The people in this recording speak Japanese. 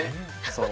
そう。